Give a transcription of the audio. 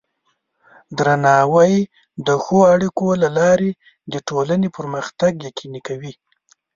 درناوی د ښو اړیکو له لارې د ټولنې پرمختګ یقیني کوي.